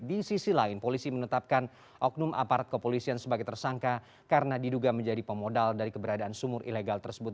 di sisi lain polisi menetapkan oknum aparat kepolisian sebagai tersangka karena diduga menjadi pemodal dari keberadaan sumur ilegal tersebut